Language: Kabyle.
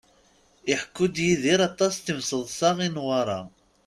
Iḥekku-d Yidir aṭas timseḍṣa i Newwara.